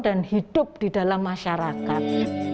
dan hidup di dalam masyarakat